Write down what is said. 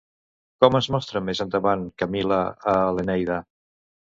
Com es mostra més endavant Camil·la a l'Eneida?